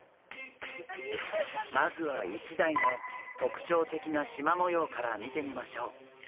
まずはイシダイの特徴的なしま模様から見てみましょう。